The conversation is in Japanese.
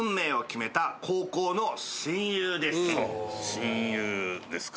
親友ですか。